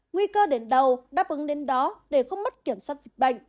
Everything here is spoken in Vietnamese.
nguy cơ đến đầu đáp ứng đến đó để không mất kiểm soát dịch bệnh